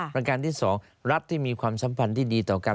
ประการที่๒รัฐที่มีความสัมพันธ์ที่ดีต่อกัน